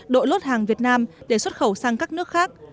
đội lốt hàng việt nam để xuất khẩu sang các nước khác